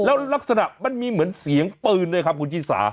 แล้วลักษณะมันมีเหมือนเสียงปืนด้วยครับคุณชิสา